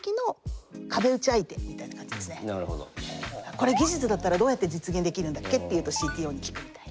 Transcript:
「これ技術だったらどうやって実現できるんだっけ？」っていうとＣＴＯに聞くみたいな。